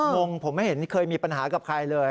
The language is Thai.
งงผมไม่เห็นเคยมีปัญหากับใครเลย